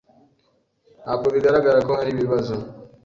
Ntabwo bigaragara ko hari ibibazo.